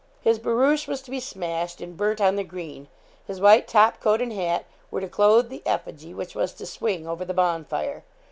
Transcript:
His barouche was to be smashed, and burnt on the green; his white topcoat and hat were to clothe the effigy, which was to swing over the bonfire.